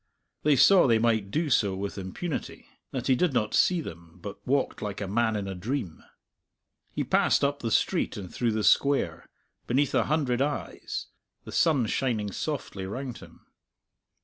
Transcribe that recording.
They saw they might do so with impunity; that he did not see them, but walked like a man in a dream. He passed up the street and through the Square, beneath a hundred eyes, the sun shining softly round him.